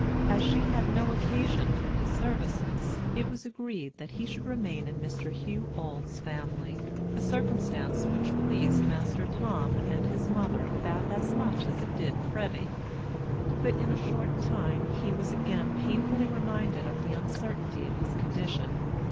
As she had no occasion for his services, it was agreed that he should remain in Mr. Hugh Auld's family; a circumstance which pleased Master Tom and his mother about as much as it did Freddy. But in a short time he was again painfully reminded of the uncertainty of his condition.